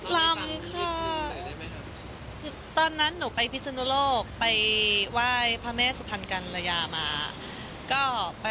ลำค่ะตอนนั้นหนูไปพิศนุโลกไปไหว้พระแม่สุพรรณกัลยามา